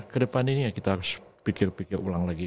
kedepan ini ya kita harus pikir pikir ulang lagi